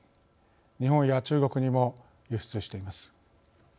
日本や中国にも輸出しています。